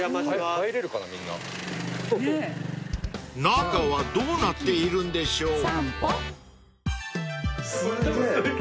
［中はどうなっているんでしょう？］